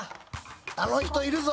「あの人いるぞ。